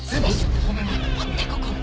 持ってここ！